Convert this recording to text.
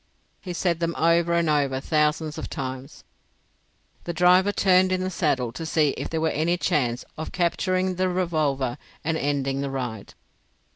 He said them over and over thousands of times. The driver turned in the saddle to see if there were any chance of capturing the revolver and ending the ride.